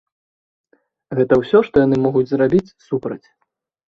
Гэта ўсё, што яны могуць зрабіць супраць.